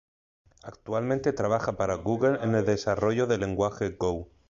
Actualmente trabajaba para Google en el desarrollo del lenguaje Go.